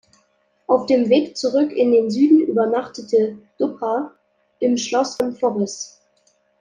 Auf dem Weg zurück in den Süden übernachtete Dubh im Schloss von Forres.